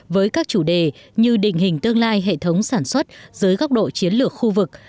với các chủ đề như định hình tương lai hệ thống sản xuất dưới góc độ chiến lược khu vực